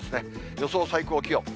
予想最高気温。